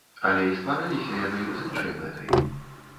Але і ствараліся яны з іншай мэтай.